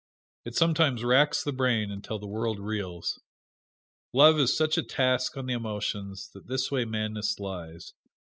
It sometimes racks the brain until the world reels. Love is such a tax on the emotions that this way madness lies.